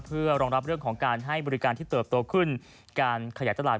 เพื่อรองรับเรื่องของการให้บริการที่เติบโตขึ้นการขยายตลาด